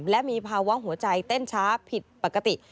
และมีภาวะหัวใจเต้นช้าผิดปกติ